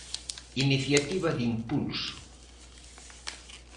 ¿Iniciativa de impulso?